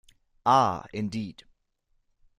Ah, indeed.